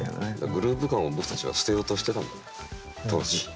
グルーブ感を僕たちは捨てようとしてたんだ当時。